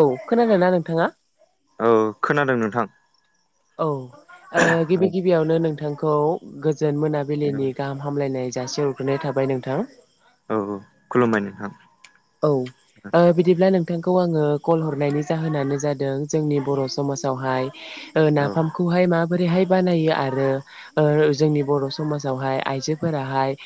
औ खोनादोंना नोंथाङा? औ खोनादों नोंथां। औ ओ औ गिबि गिबियावनो नोंथांखौ गोजोन औ मोनाबिलिनि गाहाम हामलायनाय जासि हरग्रोनाय थाबाय नोंथां। औ औ खुलुमबाय नोंथां औ ओ बिदिब्ला नोंथांखौ आङो कल हरनायनि जाहोनानो जादों जोंनि बर' समाजावहाय औ नाफामखौहाय माबोरैहाय बानायो आरो जोंनि बर' समाजावहाय आइजोफोराहाय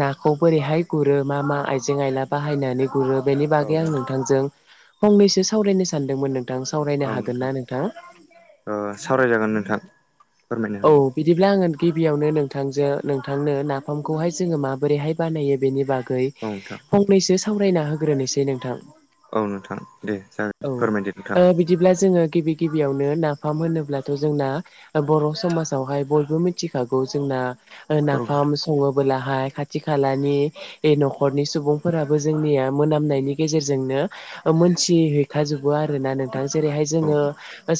नाखौ बोरैहाय गुरो मा मा आइजें आयला बाहायनानै गुरो बेनि औ बागै आं नोंथां नोंथांजों फंनैसो सावरायनो सानदोंमोन नों नोंथां सावरायनो हागोन ना नोंथां ओ सावरायजागोन नोंथां फोरमायनो औ हागोन बिदिब्ला आङो गिबियावनो नोंथांजों नोंथांनो नाफामखौहाय जोङो माबोरैहाय बानायो बेनि बागै [unintelligible] फंनैसो सावरायना होग्रोनोसै नोंथां औ नोंथां दे औ जागोन फोरमायदो नोंथां ओ बिदिब्ला जोङो गिबि गिबियावनो नाफाम होनोब्लाथ' जोंना बर' समावहाय बयबो मिथिखौ जोंना औ नाफाम सङोबोलाहाय खाथि खालानि बे न'खरनि सुबुंफोराबो जोंनिया मोनामनायनि गेजेरजोंनो मोनथि हैखाजोबो आर ना नोंथां जेरैहाय जोङो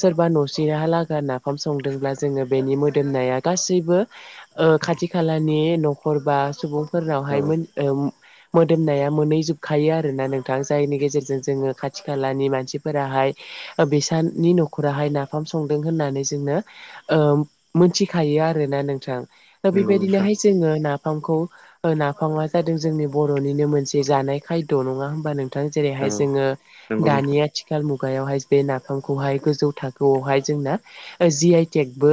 सोरबा न'से हालागै नाफाम संदोंब्ला ज जोङो बेनि मोदोमनाया गासैबो ओ खाथि खालानि न'खर बा सुबुं औ फोरनावहाय मोदोमनाया मोनहै जोबखायो आरोना नोंथां जायनि गेजेरजों जोङो खाथि खालानि मानसिफोराहाय बिसानि न'खराहाय नाफाम संदों होननानै जोंनो ओ मोनथिखायो आरोना नोंथां दा नंगौ नोंथां बेबायदिनोहाय जोङो नाफामखौ नाफामया जादों जोंनि बर'निनो मोनसे जानाय खायद' नङा होनबा नों थां औ जेरैहाय जोङो नंगौ नोंथां दानि औ आथि खाल मुगायावहाय बे नाफामखौहाय गोजौ थाखोआवहाय जोंना जि आइ टेकबो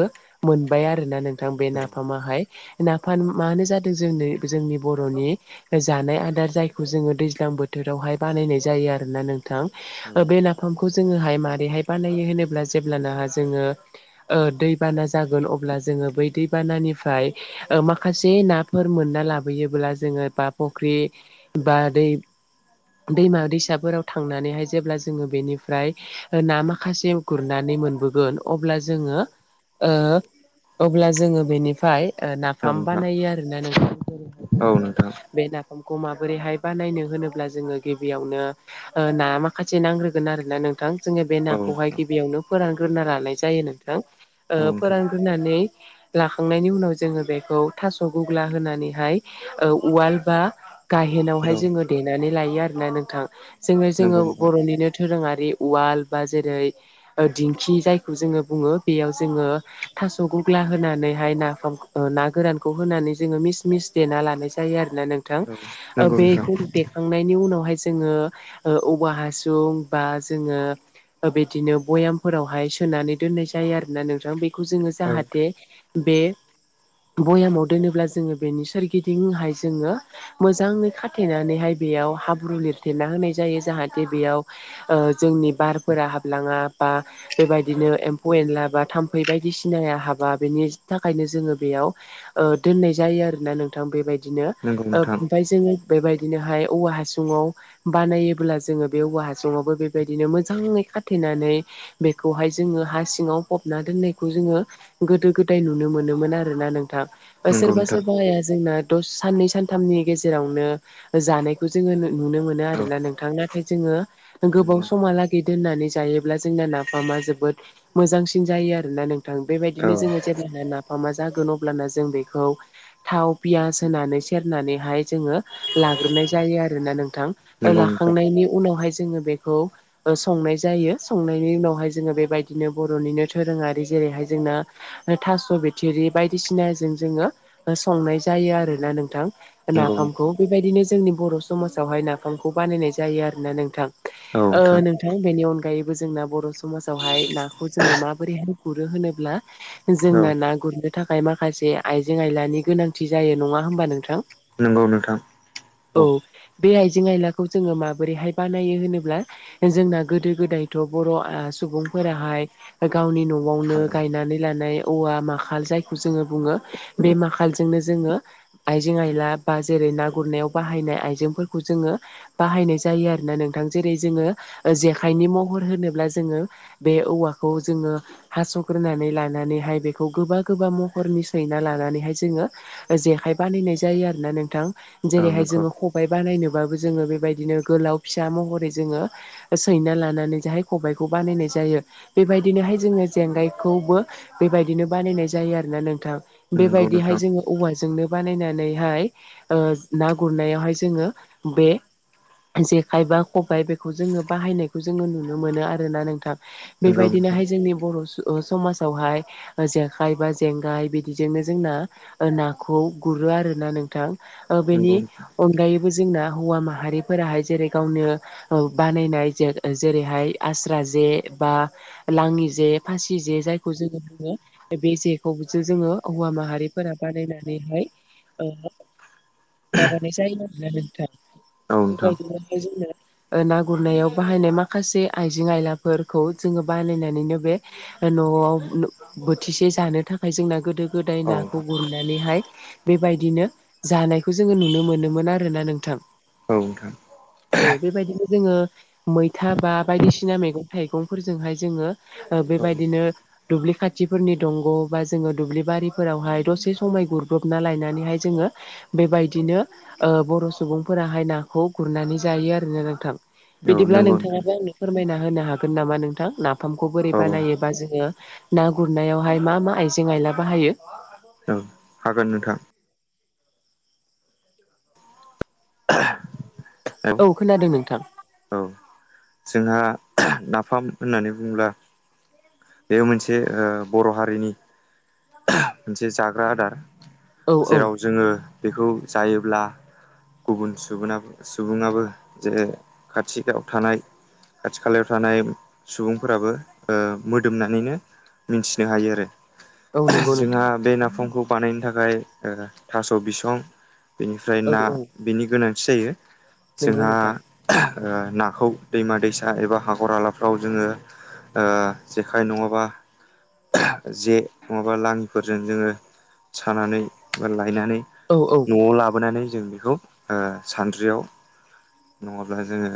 मोनबाय आरोना नोंथां बे नाफामाहाय नाफान मानो जादों जोंनो जोंनि बर'नि जानाय आदार जायखौ जोङो दैज्लां बोथोरावहाय बानायनाय जायो आरो ना नों था औ बे नाफामखौ जोङोहाय माबोरैहाय बानायो होनोब्ला जेब्लानाह जोङो दैबाना जागोन अब्ला जोङो बै दैबानानिफ्राय माखासे नाफोर मोनना लाबोयोब्ला जोङो बा फुख्रि बा दै दैमा दैसाफोराव थांनानैहाय जेब्ला जोङो बेनिफ्राय ना माखासे गुरनानै मोनबोगोन अब्ला जोङो ओ अब्ला जोङो बेनिफ्राय औ नाफाम नोंथां बानायो आरोना नोंथां [unintelligible] खौ माबोरैहाय बानायनो होनोब्ला जोङो गिबियावनो ना माखासे नांग्रोगोन आरो ना नों नोंथां जोङो बे औ नाखौहाय नोंथां गिबियावनो फोरानग्रोना लानाय जायो नोंथां औ नोंथां फोर् ननानैै। [inaudible] लाखांनायनि उनाव जोङो बेखौ थास' गुग्ला होनानैहाय उवाल बा औ गाहेनावहाय जोङो देनानै लायो आरोना नोंथां जों जोङो नंगौ नोंथां बर'निनो दोरोङारि उवाल बा जेरै दिंखि जायखौ जोङो बुङो बेयाव जोङो थास' गग्ला होनानैहाय नाफाम ना गोरानखौ होनानै जोङो मिस मिस देना लानाय जायो आरोना नों औ नंगौ नोंथां बेखौ खांनायनि उनावहाय जोङो औवा हासुं बा जोङो बिदिनो भयामफोरावहाय सोनानै दोननाय जायो आरो ना नोंथां बेखौ जोङो औ जाहाथे बे भयामाव दोनोब्ला जोङो बेनि सोरगिदिंहाय जोङो मोजाङै खाथेनानैहाय बेयाव हाब्रु लिरथेरना होनाय जायो जाहाथे बेयाव ओ जोंनि बारफोरा हाबलाङा बा बेबायदिनो एनला बा थाम्फै बायदिसिनाया हाबा बेनि थाखायनो जोङो बेयाव ओ दोननाय जायो आरो ना नोंथां बेबायदिनो नंगौ ओ नोंथां ओमफ्राय जोङो बेबायदिनोहाय औवा हासुङाव बानायोबब्ला जोङो बे औवा हासङावबो बेबायदिनो मोजाङै खाथेनानै बेखौहाय जोङो हासिं ङाव फबना दोननायखौ जोङो गोदो गोदाय नुनो मोनोमोन आरोना नोंथां। नंगौ सोरबा नोंथां सोरबा हाया जोंना द साननै सानथामनि गेजेरावनो जानायखौ जोङो नुनो मोनो। औ आरोना नोंथां नाथाय जोङो गोबाव समहालागै दोनानै जा योब्ला जों नाफा जोबो मोजांसिन जायो आरोना नोंथां औ बेबायदिनो जों जेब्ला मा मा जागोन अब्लानो जों बेखौ थाव पियास होनानै सेरनानैहाय जोङो लाग्रोनाय जायो आरोना नोंथां नंगौ नोंथां लाखांनायनि उनावहाय जोङो बे खौ ओसनाय जायो सनायनि उनाव जो बेबाय दिनो बर'निनो दोरोङारि जेरैहाय जोंना। थास' बिथरि बायदिसिनाजों जोङो संनाय जायो आरोना नोंथां। नंगौ नाफामखौ नोंथां बेबायदिनो जोंनि बर' समाजावहाय नाफामखौ बानायनाय जायो आरो ना नोंथां? ओ नोंथां बेनि अनगायैबो जोंना बर' समाजावहाय नाखौ जोङो माबोरै गुरो होनोब जों औ ना गुरनो थाखाय माखासे आइजें-आयलानि गोनांथि जायो नङा होमबा नोंथां। नंगौ नोंथां औ बे आइजें-आयलाखौ जोङो माबोरैहाय बानायो होनोब्ला जोंना गोदो गोदायथ' बर' सुबुंफोराहाय गावनि न'आवनो गायनानै लानाय औवा माखाल जायखौ जोङो बुङो बे माखालजोंनो जोङो। आइजें-आयला बा जेरै ना गुरनायाव बाहायनाय आइजेंफोरखौ जोङो बाहायनाय जायो आरोना नोंथां जेरै जोङो जेखाइनि महर होनोब्ला जोङो बे औवाखौ जोङो हास'ग्रोनानै लानानैहाय बेखौ गोबा गोबा महरनि सैना लानानैहाय जोङो जेखाय बानायनाय जायो आरोना नोंथां औ जेरैहाय नंगौ जोङो ख बाय बानायनोबाबो जोङो बेबायदिनो गोलाव फिसा महरै जोङो सैना लानानै जाहाय खबाइखौ बानायनाय जायो। बेबायदिनोहाय जोङो जेंगायखौबो बेबायदिनो बानायनाय जायो आरोना नोंथां। नंगौ बेबायदिहाय नोंथां जोङो औवाजोंनो बानायनानैहाय ओ ना गुरनायावहाय जोङो बे जेखायबा खबाइ बे खौ जों बाहायनायखौ जोङो नुनो मोनो आरोना नोंथां नंगौ नोंथां बेबायदिनोहाय जोंनि बर' ओ समाजावहाय जेखाइ बा जेंगाय बिदिजोंनो जोंना नाखौ गुरो आरो ना नोंथां बेनि नंगौ अनगायैबो जोंना हौवा माहारिफोराहाय जेरै गावनो ओ बानायनाय जे-जेरैहाय आस्रा जे बा लाङि जे फासि जे जायखौ जोङो बुङो। बे जेखौसो जोङो हौवा माहारिफोरा बानायनानैहाय ओ माबानाय जायो आरोना नोंथां औ नोंथां बेबायदिनो जोंना ओ ना गुरनायाव बाहायनाय माखासे आइजें आयलाफोरखौ जोङो बानायायनानैनो बे न'आव बोथिसे जानो थाखाय जोंना गोदो गोदाय औ नाखौ गुरनो नानैहाय बेबायदिनो जानायखौ जोङो नुनो मोनोमोन आरोना नोंथां औ नोंथां औ बेबायदिनो जोङो मैथा बा बायदिसिना मैगं-थाइगंफोरजोंहाय जोङो औ बेबायदिनो। दुब्लि खाथिफोरनि दंग' बा जोङो दुब्लि बारिफोरावहाय दसे समाय गुरब्रबना लायनानैहाय जोङो बेबायदिनो ओ बर' सुबुंफोराहाय नाखौ गुरनानै जायो आरोना नोंथां। नोंथां औ बिदिब्ला नंगौ नोंथां नोंथाङाबो आंनो फोरमायना होनो हागोन नामा नोंथां ना फामखौ बोरै औ बानायोबा जोङो ना गुरनायावहाय मा मा आयजें आयला बाहायो। औ हागोन नोंथां। [unintelligible] औ खोनादों नोंथां। औ जोंहा नाफाम होननानै बुंङोब्ला बेयो मोनसे ओ बर' हारिनि। मोनसे जाग्रा आदार औ औ जेराव जोङो बेखौ जायोब्ला। गुबुन सुबुना सुबुङाबो जे खाथियाव थानाय। खाथि खालायाव थानाय सुबुंफोराबो ओ मोदोमनानैनो मिथिनो हायो आरो। औ नंगौ नोंथां जोंहा बे नाफामखौ बानायनो थाखाय ओ थास' बिसं। बेनिफ्राय औ ना औ बिनि गोनांथि जायो नंगौ जोंहा नोंथां ओ नाखौ दैमा-दैसा एबा हाखर हालाफ्राव जोङो ओ जेखाइ नङाबा जे। नङाबा लाङिफोरजों जोङो सानानै बा लायनानै। औ-औ। न'आव लाबोनानै जों बेखौ ओ सानद्रियाव। नङाब्ला जोङो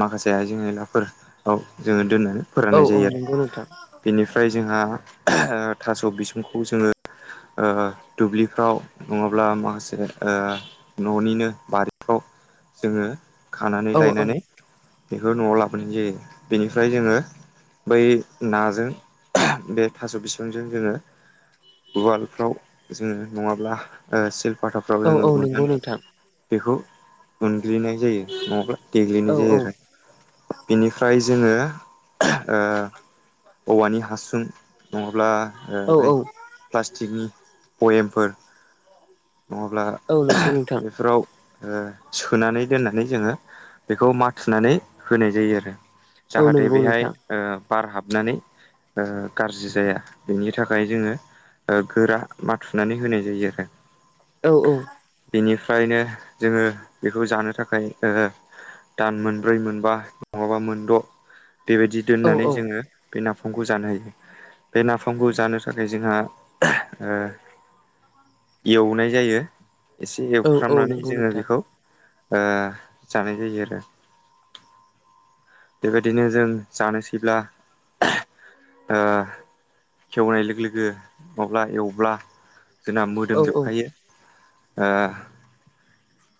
माखासे आइजें आयलाफोराव जोङो दोनो। औ फोराननाय जायो आरो नंगौ नोंथां बेनिफ्राय जोंहा थास' बिसुंखौ जोङो ओ दुब्लिफ्राव नङाब्ला माखासे ओ न'निनो बारिफ्राव जोङो औ खानानै लायनानै। बेखौ न'आव लाबोनाय जायो बेनिफ्राय जोङो बै नाजों बे थास' बिस संजों जोङो उवालफ्राव जोङो नङाब्ला। ओ सिलपाथाफ्राव औ जोङो औ नंगौ उननानै नोंथां बेखौ उनग्लिनाय जायो नङाब्ला औ देग्लिनाय औ जायो आरो। बिनिफ्राय जोङो ओ औवानि हासुं। अब्ला ओ औ बै औ प्लास्टिकनि बयेमफोर नङाब्ला औ नंगौ नोंथां बेफोराव। ओ सोनानै दोननानै जोङो बेखौ माथुनानै होनाय जायो आरो। औ जाहाथे नंगौ बेहाय नोंथां ओ बार हाबनानै ओ गारजि जाया। बिनि थाखाय जोङो ओ गोरा माथुनानै होनाय जायो आरो। औ-औ। बेनिफ्रायनो जोङो बेखौ जानो थाखाय ओ दान मोनब्रै मोनबा नङाबा मोनद'। बेबायदि औ दोननानै औ जोङो बे नाफामखौ जानो हायो बे नाफामखौ जानो थाखाय जोंहा ओ एवनाय जायो एसे औ औ एवफ्रामनानै नंगौ जोङो नोंथां बेखौ ओ जानाय जायो आरो। बेबायदिनो जों जानोसैब्ला ओ खेवनाय लोगो लोगो माब्ला एवब्ला जोंना औ औ मोदोमजोबखायो ओ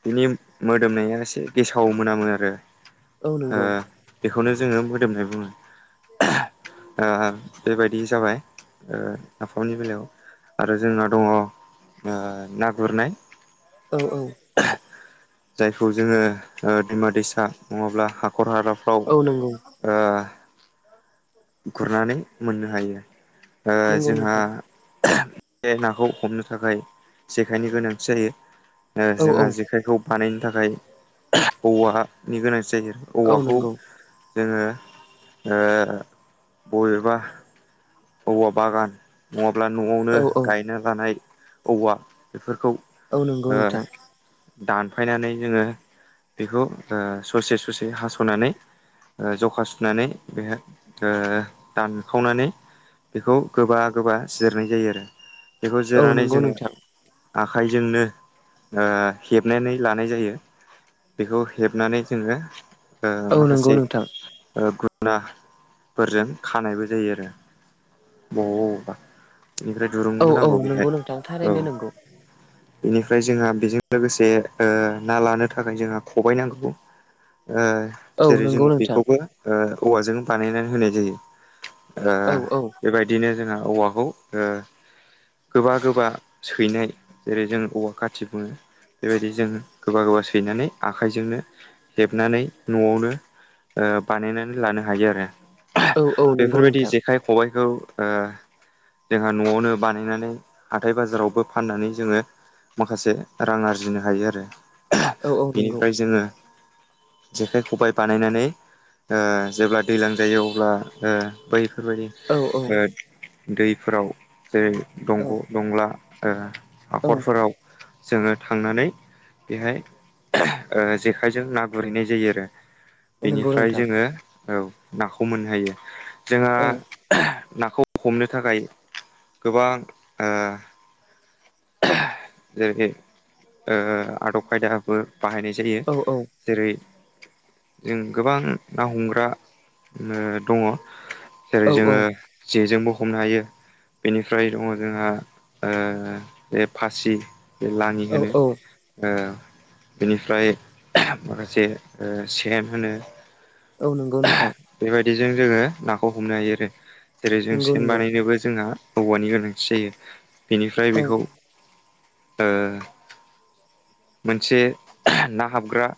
बिनि मो-मोदोमनाया एसे गेसाव मोनामो आरो। औ ओ नंगौ बेखौनो जोङो मोदोमनाय बुङो ओ बेबाय बि जाबाय ओ नाफामनि बेलायाव आरो जोंना दङ ओ ना गुरनाय। औ-औ। जायखौ जोङो ओ दैमा-दैसा नङाब्ला हाखर हाला औ नंगौ। ओ गुरनानै मोननो हायो ओ नंगौ जोंहा नोंथां बे नाखौ हमनो थाखाय जेखाइनि गोनांथि जायो। ओ औ औ जोंहा जेखायखौ बानायनो थाखाय औवानि गोनांथि जायो आरो औ औवाखौ नंगौ जोङो ओ बबेबा औवा बागान नङाब्ला न'आवनो औ औ गायना लानाय औवा बेफोरखौ औ नंगौ ओ नोंथां दानफायनानै जोङो बेखौ ओ ससे ससे हास'नानै ओ जखा सुनानै बेहा ओ दानखावनानै बेखौ गोबा गोबा जिरनाय जायो आरो। बेखौ औ जेरनानै नंगौ जोङो नोंथां आखाइजोंनो हेबनानै ओ लानाय जायो। बेखौ हेबनानै जोङो ओ औ नंगौ माखासे नोंथां ओ गुना फोरजों खानायबो जायो आरो बबाव बबावबा। बेनिफ्राय औ दुरुंबो औ नांगौ नंगौ नोंथां बेहाय औ थारैनो नंगौ बेनिफ्राय जोंहा बेजों लोगोसे ओ ना लानो थाखाय जोंहा खबाय नांगौ ओ औ जेरै नंगौ जोङो नोंथां बेखौबो ओ औवाजों बानायनानै होनाय जायो ओ औ औ बेबायदि दिनो जोङो औवाखौ ओ गोबा गोबा सैनाय जेरै जों औवा खाथि बुङो बेबायदि जों गोबा गोबा सैनानै आखाइजोंनो हेबनानै न'आवनो ओ बानायनानै लानो हायो आरो औ औ नंगौ बेफोरबायदि नोंथां जेखाइ खबाइखौ ओ जोंहा न'आवनो बानायनानै हाथाय बाजारावबो फाननानै जोङो माखासे रां आरजिनो हायो आरो औ औ नंगौ बेनिफ्राय जोङो जेखाइ खबबाय बानायनानै ओ जेब्ला दैज्लां जायो अ अब्ला ओ बैफोरबायदि औ ओ दैफोराव जेरै दंग' औ दंला ओ हाखरफोराव जोङो थांनानै बेहाय ओ जेखाइजों ना गुरहैनाय जायो आरो औ नंगौ बेनिफ्राय नोंथां जोङो औ नाखौ मोननो हायो जोंहा औ नाखौ हमनो थाखाय गोबां ओ जेरै ओ आदब खायदााबो बाहायनाय जायो औ जेरै जों गोबां ना हमग्रा दङ' जेरै जोङो औ जेजोंबो हमनो हायो बेनिफ्राय दङ' जोंहा ओ बे फासि बे लाङि औ होनो औ ओ बेनिफ्राय माखासे ओ सेन होनो। औ नंगौ नोंथां बेबायदिजों जोङो नाखौ हमनो हायो आरो जेरै जों नंगौ सेन नंगौ बानायनोबो जोंहा औवानि गोनांथि जायो बेनिफ्राय औ बेखौ। मोनसे ना ओ हाबग्रा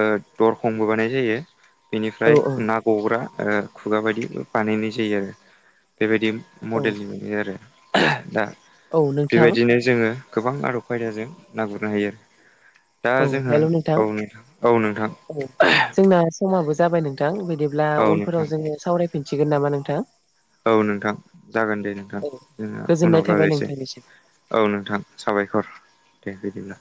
दरखंबो बानाय जायो। औ बेनिफ्राय औ ना गग्रा खुगा बायदि बानायनाय जायो आरो बेबायदि औ मडेलनि मोन आरो दा। औ नोंथाङा नो जोङो गोबां आदब खायदाजों नागुरनो हायो दा औ जोंहा हेल' औ नोंथां औ नोंथां। औ जोंना समाबो जाबाय नोंथां बिदिब्ला औ नोंथां औ उनफोराव नोंथां जोङो सावरायफिनसिगोन नामा नोंथां? औ नोंथां जागोन दे नोंथां औ जोङो गोजोननाय उनाव थाबाय लारायसै। नोंथांनिसिम औ नोंथां साबायखर दे बिदिब्ला।